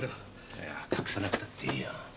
いや隠さなくたっていいよ。